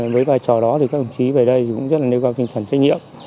với vai trò đó các đồng chí về đây cũng rất là nêu giao tinh thần trách nhiệm